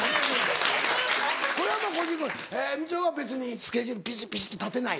これはまぁみちょぱは別にスケジュールピシピシ立てない？